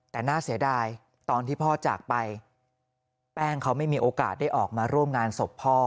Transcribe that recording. แต่น่าเสียดายตอนที่พ่อจากไปแป้งเขาไม่มีโอกาสได้ออกมาร่วมงานศพพ่อ